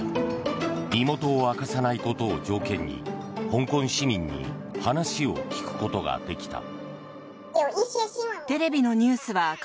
身元を明かさないことを条件に香港市民に話を聞くことができた。